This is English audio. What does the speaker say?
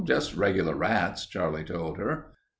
"Just regular rats," Charlie told her.